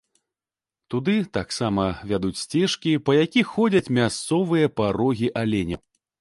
Туды таксама вядуць сцежкі, па якіх ходзяць мясцовыя па рогі аленяў.